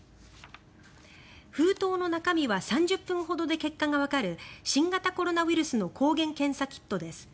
封筒の中身は３０分ほどで結果がわかる新型コロナウイルスの抗原検査キットです。